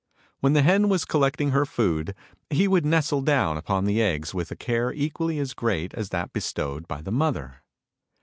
When the hen was collecting her food he would nestle down upon the eggs with a care equally as great as that bestowed by the mother.